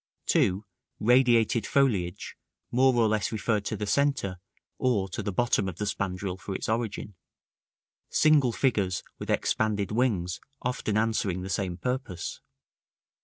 2. Radiated foliage, more or less referred to the centre, or to the bottom of the spandril for its origin; single figures with expanded wings often answering the same purpose.